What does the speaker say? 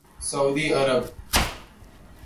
سعودی عرب